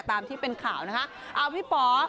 ตามที่เป็นข่าวนะคะเอาพี่ป๋อ